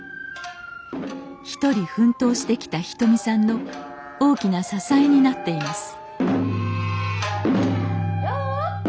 一人奮闘してきたひとみさんの大きな支えになっています